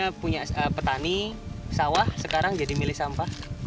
saya punya petani sawah sekarang jadi milih sampah